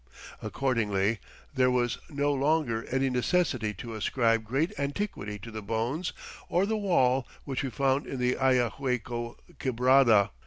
Accordingly there was no longer any necessity to ascribe great antiquity to the bones or the wall which we found in the Ayahuaycco quebrada.